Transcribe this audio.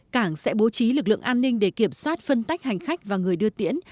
cảng sẽ bố trí lực lượng an ninh để kiểm soát phân tách hành khách và người đưa tiễn